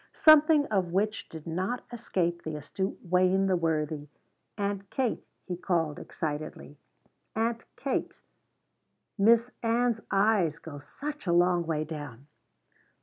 Something of which did not escape the astute Wayne the Worthy. "Aunt Kate," he called excitedly, "Aunt Kate Miss Ann's eyes go such a long way down!"